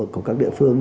của các địa phương